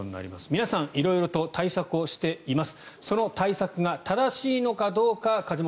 皆さん色々と対策をしています。